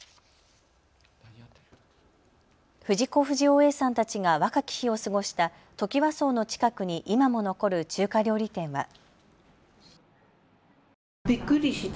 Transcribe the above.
不二雄Ａさんたちが若き日を過ごしたトキワ荘の近くに今も残る中華料理店は。